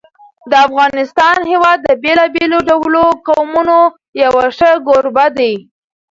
د افغانستان هېواد د بېلابېلو ډولو قومونو یو ښه کوربه دی.